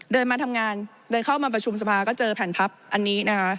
เดินมาทำงานเดินเข้ามาประชุมสภาก็เจอแผ่นพับอันนี้นะคะ